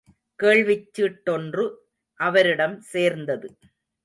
கேள்விச் சீட்டொன்று அவரிடம் சேர்ந்தது.